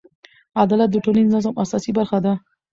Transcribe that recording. عدالت د ټولنیز نظم اساسي برخه ده.